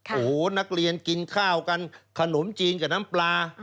โอ้โหนักเรียนกินข้าวกันขนมจีนกับน้ำปลา